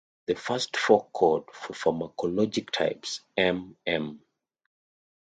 The first four code for pharmacologic types M-M.